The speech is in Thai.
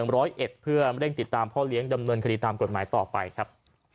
เร่งติดตามพ่อเลี้ยงดำเนินคดีตามกฎหมายต่อไปครับ